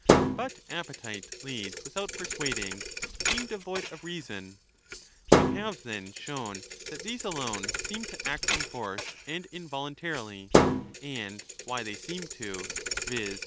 But appetite leads without persuading, being devoid of reason. We have, then, shown ^ that these alone seem to act from force and involuntarily, and why they seem to, viz.